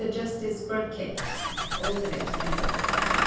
JUSTICE BIRKETT, Alternate Member MR.